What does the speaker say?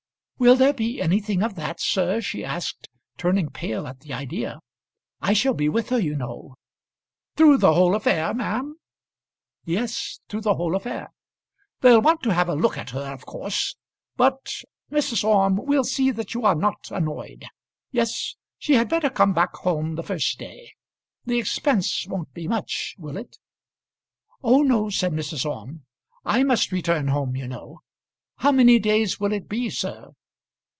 "Will there be anything of that, sir?" she asked, turning pale at the idea. "I shall be with her, you know." "Through the whole affair, ma'am?" "Yes, through the whole affair." "They'll want to have a look at her of course; but, Mrs. Orme, we'll see that you are not annoyed. Yes; she had better come back home the first day. The expense won't be much; will it?" "Oh no," said Mrs. Orme. "I must return home, you know. How many days will it be, sir?"